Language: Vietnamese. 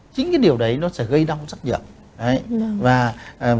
những điều đấy nó sẽ gây đau rất nhiều